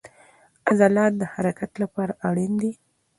عضلات د حرکت لپاره اړین دي